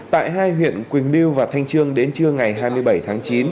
tại hai huyện quỳnh lưu và thanh trương đến trưa ngày hai mươi bảy tháng chín